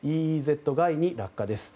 ＥＥＺ外に落下です。